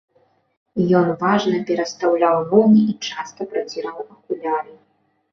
Ён важна перастаўляў ногі і часта праціраў акуляры.